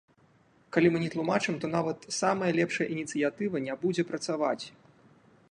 Калі мы не тлумачым, то нават самая лепшая ініцыятыва не будзе працаваць.